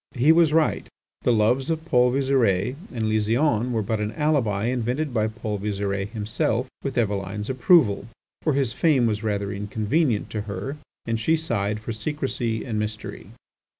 He was right; the loves of Paul Visire and Lysiane were but an alibi invented by Paul Visire himself, with Eveline's approval, for his fame was rather inconvenient to her, and she sighed for secrecy and mystery.